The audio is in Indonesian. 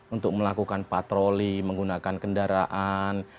untuk melakukan patroli menggunakan kendaraan